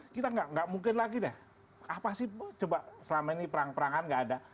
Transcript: kita nggak mungkin lagi deh apa sih coba selama ini perang perangan nggak ada